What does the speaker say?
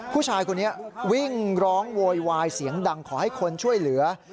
ผู้ชายคนนี้วิ่งร้องโวยวายเสียงดังขอให้คนช่วยเหลือ